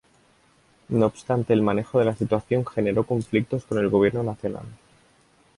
No obstante el manejo de la situación generó conflictos con el gobierno nacional.